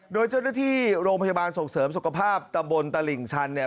โดยเจ้าหน้าที่โรงพยาบาลส่งเสริมสุขภาพตะบนตลิ่งชันเนี่ย